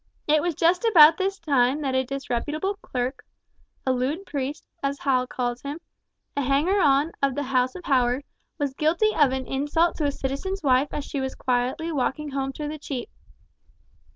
It was just about this time that a disreputable clerk—a lewd priest, as Hall calls him—a hanger on of the house of Howard, was guilty of an insult to a citizen's wife as she was quietly walking home through the Cheap.